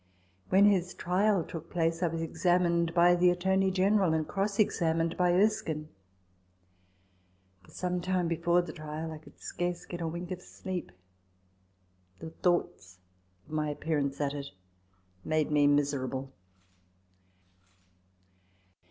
When his trial took place, I was examined by the Attorney General, and cross examined by Erskine. For some time before the trial I could scarcely get a wink of sleep : the thoughts of my appearance at it made me miserable.